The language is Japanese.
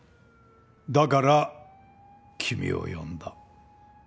だから君を呼んだ。